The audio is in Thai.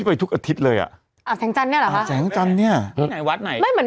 อาทิตย์เลยอ่ะ